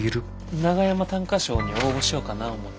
長山短歌賞に応募しようかな思て。